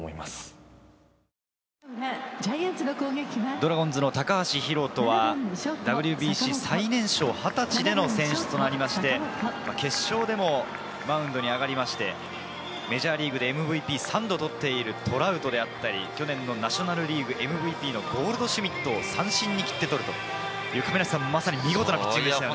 ドラゴンズの高橋宏斗はＷＢＣ最年少２０歳での選出となりまして、決勝でもマウンドに上がって、メジャーリーグでＭＶＰ３度取っているトラウトであったり、去年のナショナルリーグＭＶＰのゴールドシュミットを三振に斬って取る見事なピッチングでしたよね。